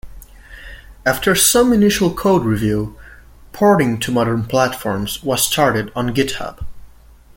After some initial code review porting to modern platforms was started on GitHub.